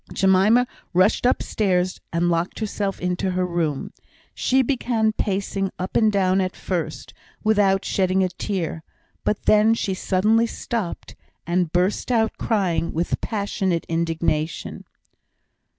Jemima rushed upstairs, and locked herself into her room. She began pacing up and down at first, without shedding a tear; but then she suddenly stopped, and burst out crying with passionate indignation.